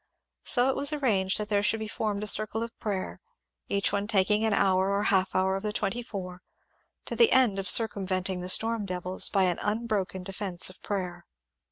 So it was arranged that there should be formed a circle of prayer, each one taking an hour or half hour of the twenty four, to the end of circumventing the storm devils by an unbroken defence of prayer.